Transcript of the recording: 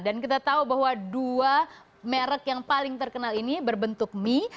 dan kita tahu bahwa dua merek yang paling terkenal ini berbentuk mie